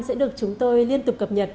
sẽ được chúng tôi liên tục cập nhật